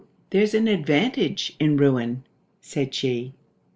There's an advantage in ruin," said she.